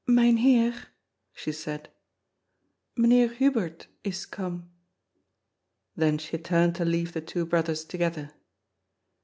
"Myn Heer," she said, "Mynheer Hubert is come." Then she turned to leave the two brothers together.